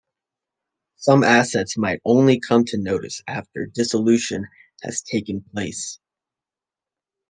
Some assets might only come to notice after dissolution has taken place.